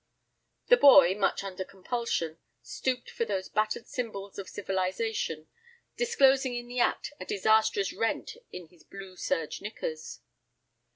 The boy, much under compulsion, stooped for those battered symbols of civilization, disclosing in the act a disastrous rent in his blue serge knickers.